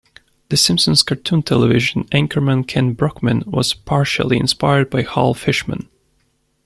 "The Simpsons" cartoon television anchorman Kent Brockman was partially inspired by Hal Fishman.